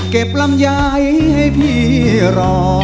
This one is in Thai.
เก็บลำใหญ่ให้พี่รอ